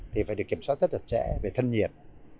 thì phải được kiểm soát chất đạt chất trẻ về thân nhiệt